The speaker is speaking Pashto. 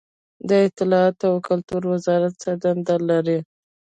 د اطلاعاتو او کلتور وزارت څه دنده لري؟